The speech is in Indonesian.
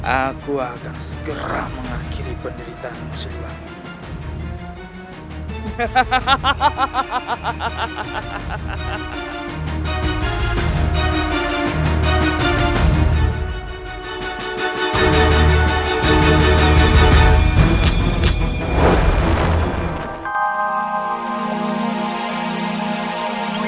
aku akan segera mengakhiri penderitaan musim wakil